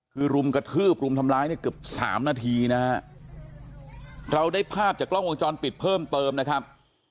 คือรุมกระทืบรุมทำร้ายเนี่ยเกือบสามนาทีนะฮะเราได้ภาพจากกล้องวงจรปิดเพิ่มเติมนะครับ